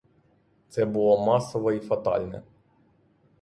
Це було масове й фатальне.